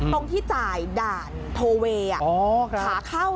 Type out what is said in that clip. ตรงที่จ่ายด่านโทเวย์ขาเข้า